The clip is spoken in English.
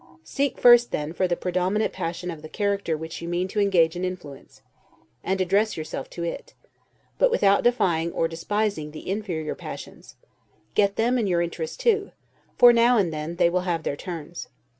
Seek first, then, for the predominant passion of the character which you mean to engage and influence, and address yourself to it; but without defying or despising the inferior passions; get them in your interest too, for now and then they will have their turns.